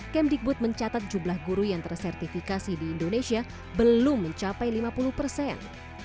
kemdikbud mencatat jumlah guru yang tersertifikasi di indonesia belum mencapai lima puluh persen